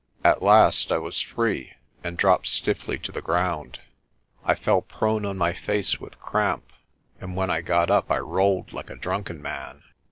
At last I was free and dropped stiffly to the ground. I fell prone on my face with cramp, and when I got up I rolled like a drunken man.